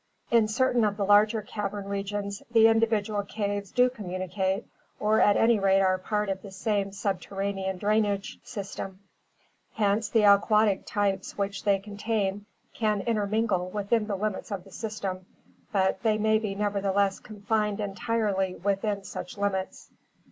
In cer tain of the larger cavern regions the individual caves do communi cate or at any rate are part of the same subterranean drainage system. Hence the aquatic types which they contain can inter mingle within the limits of the system, but they may be neverthe less confined entirely within such limits.